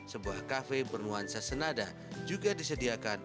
sebuah kafe bernuansa senada juga disediakan